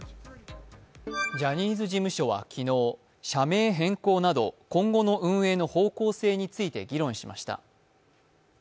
ジャニーズ事務所は昨日社名変更など今後の運営の方向性について議論しました。